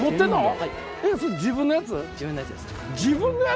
自分のやつ！？